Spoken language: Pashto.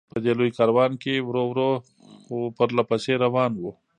په دې لوی کاروان کې ورو ورو، خو پرله پسې روان و.